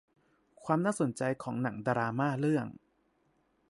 ความน่าสนใจของหนังดราม่าเรื่อง